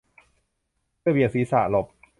เธอเบี่ยงศีรษะหลบ